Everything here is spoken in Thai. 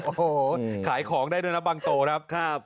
โอ้โหขายของได้ด้วยนะบางโตครับ